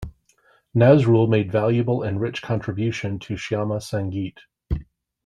Nazrul made valuable and rich contribution to Shyama Sangeet.